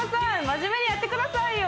真面目にやってくださいよ！